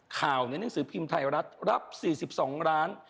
ข่าวในหนังสือพิมพ์ไทยรัฐรับ๔๒ล้าน